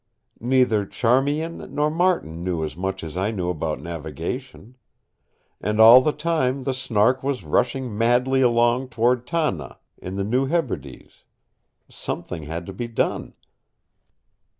Neither Charmian nor Martin knew as much as I knew about navigation. And all the time the Snark was rushing madly along toward Tanna, in the New Hebrides. Something had to be done.